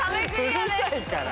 うるさいから。